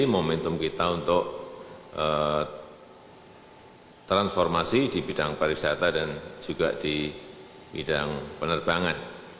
momentum kita untuk transformasi di bidang pariwisata dan juga di bidang penerbangan